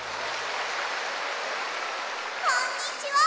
こんにちは！